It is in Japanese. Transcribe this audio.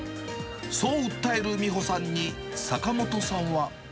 そう訴える美保さんに、坂本さんは。